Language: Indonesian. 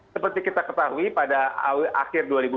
seperti kita ketahui pada akhir